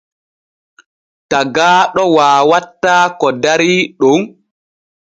Tagaaɗo waawataa ko darii ɗon.